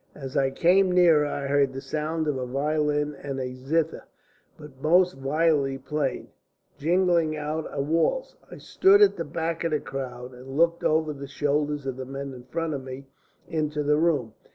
As I came nearer I heard the sound of a violin and a zither, both most vilely played, jingling out a waltz. I stood at the back of the crowd and looked over the shoulders of the men in front of me into the room.